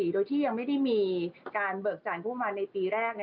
โดยที่ยังไม่ได้มีการเบิกจ่ายผู้มาในปีแรก